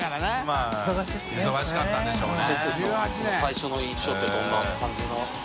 泙忙しかったんでしょうね。